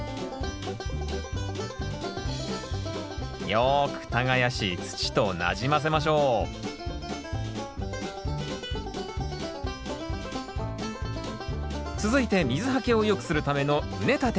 よく耕し土となじませましょう続いて水はけを良くするための畝立て。